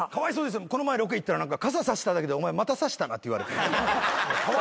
この前ロケ行ったら傘差しただけでお前またさしたなって。